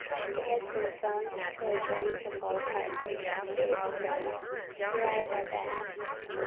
It has been thumbed till it is ready to fall apart. Read it, Stone. Your eyes are best."